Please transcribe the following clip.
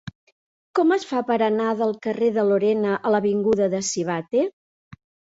Com es fa per anar del carrer de Lorena a l'avinguda de Sivatte?